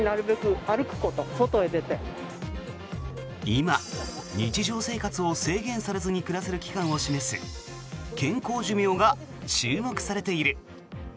今、日常生活を制限されずに暮らせる期間を示す健康寿命が注目されている。